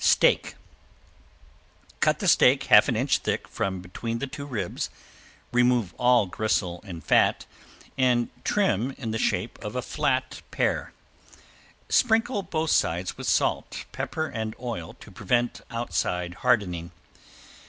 ~STEAK~ Cut the steak half an inch thick from between the two ribs, remove all gristle and fat, and trim in the shape of a flat pear. Sprinkle both sides with salt, pepper and oil to prevent outside hardening.